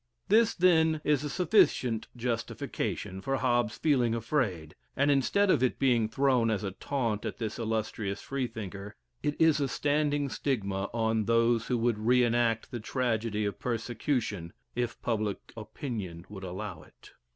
This, then, is a sufficient justification for Hobbes feeling afraid, and instead of it being thrown as a taunt at this illustrious Freethinker, it is a standing stigma on those who would re enact the tragedy of persecution, if public opinion would allow it.